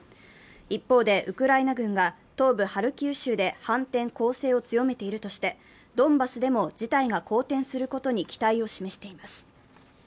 一方でウクライナ軍が東部ハルキウ州で反転攻勢を強めているとしてドンバスでも事態が好転することに期待を示しています。